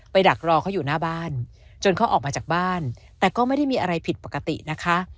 ดักรอเขาอยู่หน้าบ้านจนเขาออกมาจากบ้านแต่ก็ไม่ได้มีอะไรผิดปกตินะคะ